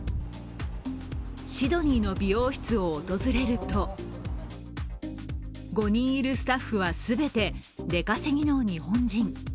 シドニーの美容室を訪れると５人いるスタッフは全て出稼ぎの日本人。